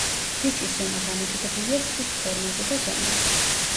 ფიჭის ზომა დამოკიდებულია სკის ფორმაზე და ზომაზე.